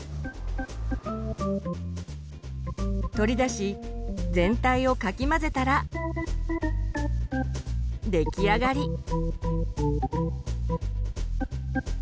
取り出し全体をかき混ぜたら出来上がり。